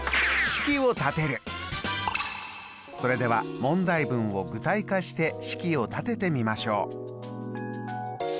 それでは問題文を具体化して式を立ててみましょう。